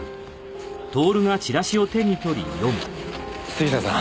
杉下さん。